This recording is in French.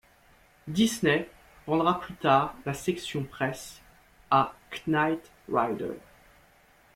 Disney vendra plus tard la section presse à Knight Ridder.